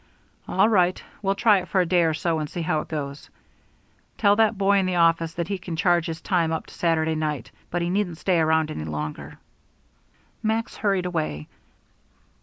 "All right. We'll try it for a day or so and see how it goes. Tell that boy in the office that he can charge his time up to Saturday night, but he needn't stay around any longer." Max hurried away.